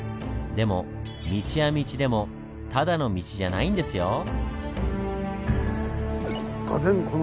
でも道は道でもただの道じゃないんですよ。